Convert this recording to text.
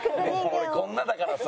俺こんなだからさ。